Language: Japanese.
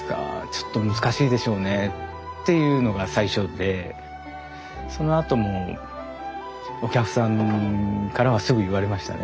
「ちょっと難しいでしょうね」っていうのが最初でそのあともお客さんからはすぐ言われましたね。